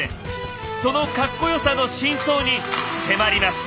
そのカッコよさの真相に迫ります！